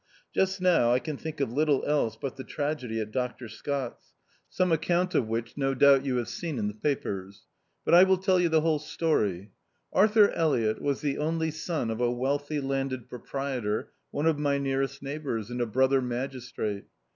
Just now I can think of little else but the tragedy at Dr. Scott's, some account of A 653232 2 THE OUTCAST. which no doubt you have seen in the papers. But I will tell you the whole story. Arthur Elliott was the only son of a wealthy landed proprietor, one of my nearest neighbours, and a brother magis trate.